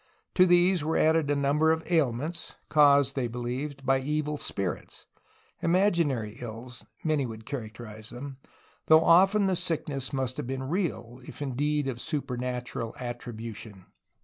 To these were added a number of ailments, caused, they believed, by evil spirits, — imaginary ills, many would characterize them, though often the sickness must have been real, if indeed of supernatural attribution.